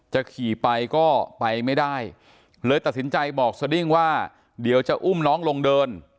จะขี่ไปก็ไปไม่ได้เลยตัดสินใจบอกสดิ้งว่าเดี๋ยวจะอุ้มน้องลงเดิน